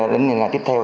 đến ngày tiếp theo